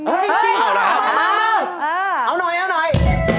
เอาหน่อย